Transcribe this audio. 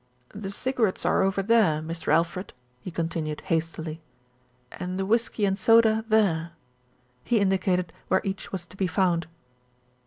"The cigarettes are over there, Mr. Alfred," he con tinued hastily, "and the whisky and soda there." He indicated where each was to be found.